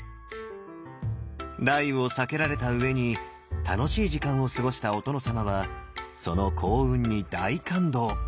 雷雨を避けられたうえに楽しい時間を過ごしたお殿様はその幸運に大感動！